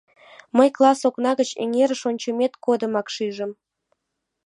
Мый класс окна гыч эҥерыш ончымет годымак шижым.